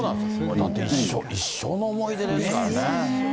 だって一生の思い出ですからね。